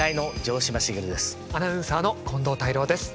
アナウンサーの近藤泰郎です。